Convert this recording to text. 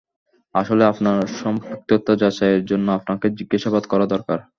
আসলে, আপনার সম্পৃক্ততা যাচাই এর জন্য আপনাকে জিজ্ঞাসাবাদ করা দরকার।